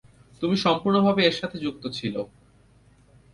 তুমি সম্পূর্ণ ভাবে এর সাথে যুক্ত ছিল।